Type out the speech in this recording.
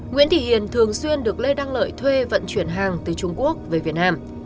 nguyễn thị hiền thường xuyên được lê đăng lợi thuê vận chuyển hàng từ trung quốc về việt nam